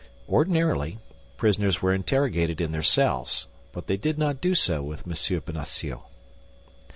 Ordinarily, prisoners were interrogated in their cells; but they did not do so with M. Bonacieux.